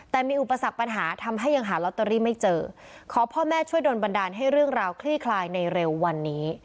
แต่มีอุปสรรคปัญหาทำให้ยังหาลอตเตอรี่ไม่เจอขอพ่อแม่ช่วยโดนบันดาลให้เรื่องราวคลี่คลายในเร็ววันนี้